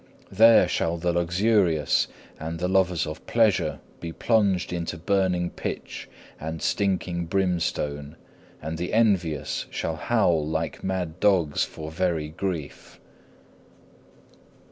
There shall the luxurious and the lovers of pleasure be plunged into burning pitch and stinking brimstone, and the envious shall howl like mad dogs for very grief.